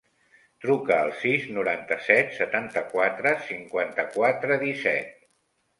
Truca al sis, noranta-set, setanta-quatre, cinquanta-quatre, disset.